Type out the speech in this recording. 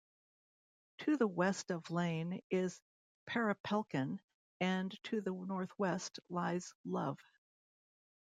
To the west of Lane is Perepelkin, and to the northwest lies Love.